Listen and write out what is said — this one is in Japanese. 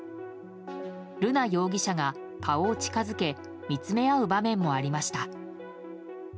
瑠奈容疑者が顔を近づけ見つめ合う場面もありました。